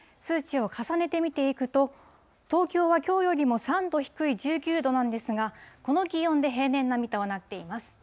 数値を重ねて見ていくと、東京はきょうよりも３度低い１９度なんですが、この気温で平年並みとなっています。